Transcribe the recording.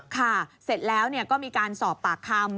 เสร็จแล้วก็มีการสอบปากคำ